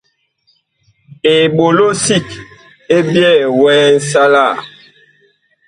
Eɓolo sig ɛ byɛɛ wɛɛ nsalaa.